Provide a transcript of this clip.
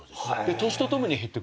年とともに減ってくんですよ。